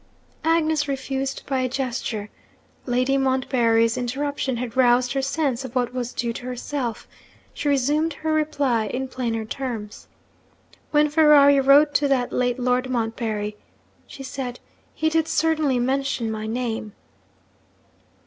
Agnes refused by a gesture. Lady Montbarry's interruption had roused her sense of what was due to herself. She resumed her reply in plainer terms. 'When Ferrari wrote to the late Lord Montbarry,' she said, 'he did certainly mention my name.'